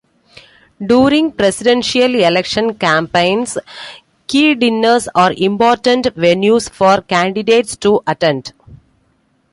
During presidential election campaigns, key dinners are important venues for candidates to attend.